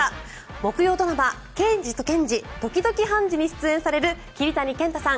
木曜ドラマ「ケイジとケンジ、時々ハンジ。」に出演される桐谷健太さん